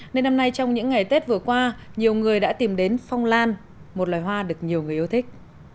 nên năm nay trong những ngày tết vừa qua nhiều người đã tìm đến phong lan một loài hoa được nhiều người yêu thích